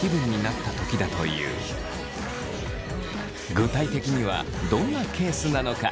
具体的にはどんなケースなのか？